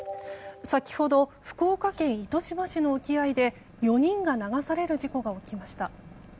先ほど、福岡県糸島市の沖合で４人が流される事故が起きました。